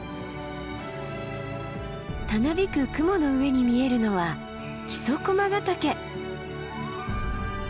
たなびく雲の上に見えるのは木曽駒ヶ岳。